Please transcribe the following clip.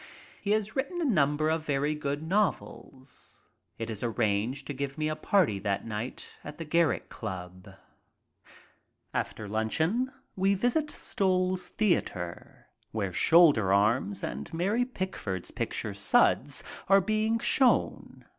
He has writen a number of very good novels. It is arranged to give me a party that night at the Garrick Club. After luncheon we visit StoU's Theater, where "Shoulder Arms" and Mary Pickford's picture, "Suds," are being shown.